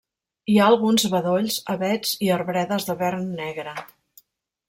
Hi ha alguns bedolls, avets i arbredes de vern negre.